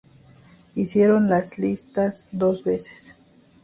Hicieron la lista dos veces.